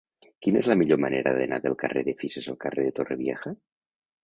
Quina és la millor manera d'anar del carrer de Fisas al carrer de Torrevieja?